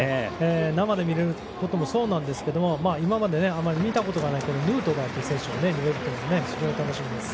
生で見られることもそうなんですけど今まであまり見たことがないヌートバーという選手を見れるというのが非常に楽しみです。